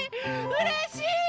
うれしい！